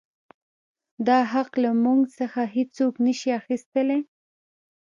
دا حـق لـه مـوږ څـخـه هـېڅوک نـه شـي اخيـستلى.